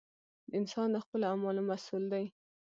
• انسان د خپلو اعمالو مسؤل دی.